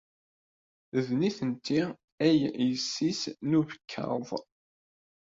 D nitenti ay yessi-s n ubekkaḍ.